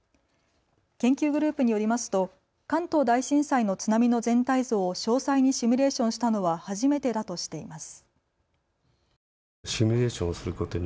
研究グループによりますと関東大震災の津波の全体像を詳細にシミュレーションしたのは初めてだとしています。